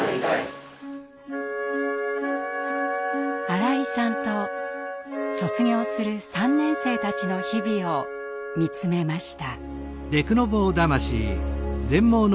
新井さんと卒業する３年生たちの日々を見つめました。